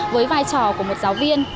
với vai trò của một giáo viên